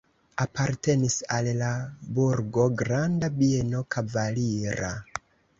Apartenis al la burgo granda bieno kavalira.